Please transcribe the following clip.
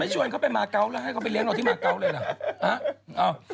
ไม่ชวนเค้าไปมาก๊าวล่ะให้เค้าไปเลี้ยงหน่วยที่มาก๊าวเลยหรือ